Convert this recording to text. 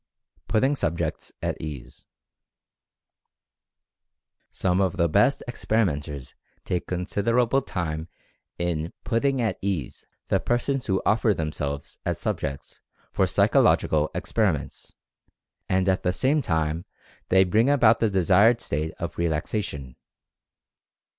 PUTTING SUBJECTS AT EASE. Some of the best experimenters take considerable time in "putting at ease" the persons who offer them Experimental Fascination 99 selves as subjects for psychological experiments, and at the same time they bring about the desired state of relaxation.